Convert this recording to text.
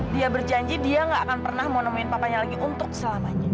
dia berjanji dia gak akan pernah mau nemuin papanya lagi untuk selamanya